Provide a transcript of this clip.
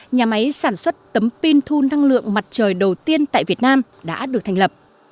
nhà máy sản xuất tấm pin thu năng lượng mặt trời đầu tiên tại việt nam đã được thành lập